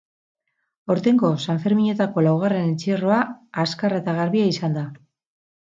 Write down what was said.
Aurtengo sanferminetako laugarren entzierroa azkarra eta garbia izan da.